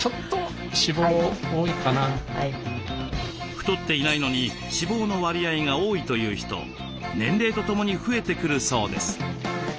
太っていないのに脂肪の割合が多いという人年齢とともに増えてくるそうです。